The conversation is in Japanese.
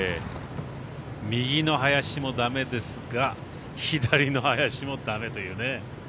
右の林もだめですが左の林もだめというね。